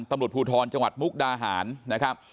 ตำรวจภูทรจังหวัดมุกดาหารนะครับ